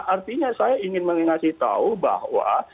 artinya saya ingin mengasih tahu bahwa